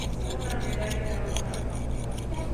Obtuvo una medalla de oro en las justas.